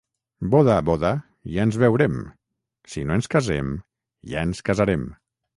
Boda, boda, ja ens veurem; si no ens casem, ja ens casarem.